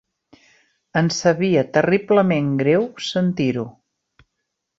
Em sabia terriblement greu sentir-ho.